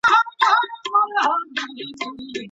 مرکزي کتابتون سمدستي نه لغوه کیږي.